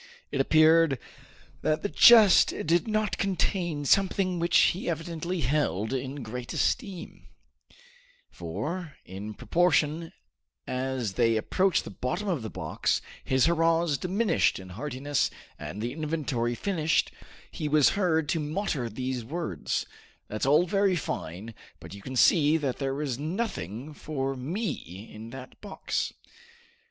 It appeared that the chest did not contain something which he evidently held in great esteem, for in proportion as they approached the bottom of the box, his hurrahs diminished in heartiness, and, the inventory finished, he was heard to mutter these words: "That's all very fine, but you can see that there is nothing for me in that box!"